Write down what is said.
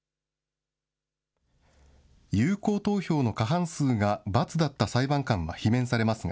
有効投票の過半数が×だった裁判官は罷免されますが、